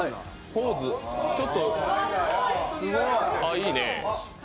いいね。